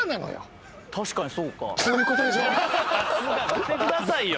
さすが見てくださいよ